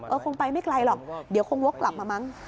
คงไปไม่ไกลหรอกเดี๋ยวคงวกกลับมามั้ง